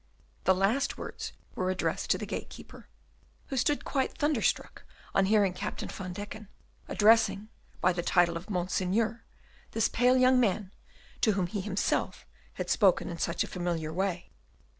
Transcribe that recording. The last words were addressed to the gatekeeper, who stood quite thunderstruck on hearing Captain Van Deken addressing by the title of Monseigneur this pale young man, to whom he himself had spoken in such a familiar way.